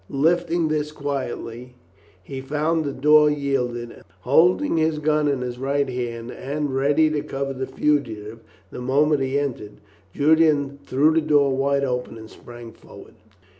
Lifting this quietly, he found the door yielded, and, holding his gun in his right hand ready to cover the fugitive the moment he entered, Julian threw the door wide open and sprang forward.